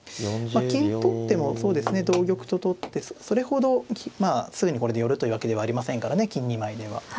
まあ金取ってもそうですね同玉と取ってそれほどまあすぐにこれで寄るというわけではありませんからね金２枚では。